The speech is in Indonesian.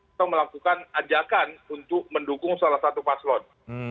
atau melakukan ajakan untuk mendukung salah satu paslon